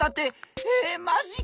えマジか！